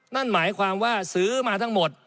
นั่นหมายความว่าซื้อมาทั้งหมด